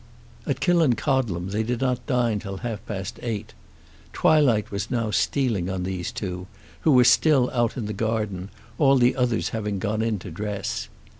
At Killancodlem they did not dine till half past eight. Twilight was now stealing on these two, who were still out in the garden, all the others having gone in to dress.